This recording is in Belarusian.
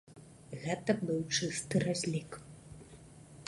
Гэта быў чысты разлік.